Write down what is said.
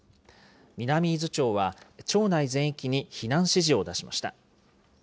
南伊豆町は、町内全域に避難指示を出しました。